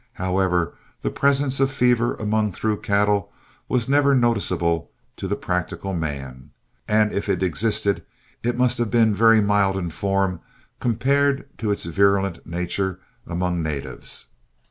However, the presence of fever among through cattle was never noticeable to the practical man, and if it existed, it must have been very mild in form compared to its virulent nature among natives.